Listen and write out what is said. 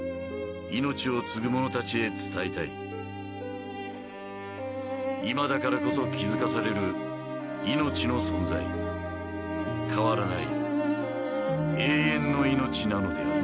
命を継ぐ者たちへ伝えたい今だからこそ気付かされる命の存在変わらない「永遠のいのち」なのである